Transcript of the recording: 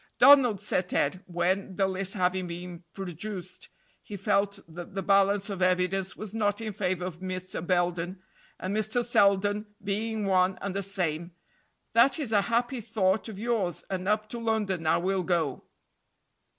"Donald," said Ted, when, the list having been produced, he felt that the balance of evidence was not in favor of Mr. Belden and Mr. Selden being one and the same, "that is a happy thought of yours, and up to London I will go."